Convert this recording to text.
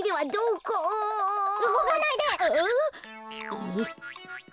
えっ？